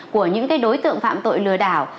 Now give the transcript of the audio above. của những cái đối tượng phạm tội lừa đảo